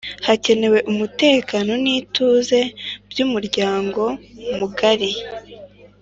Hakenewe umutekano n’ituze by’umuryango mugari